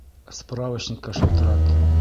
Справочникка шылтырат.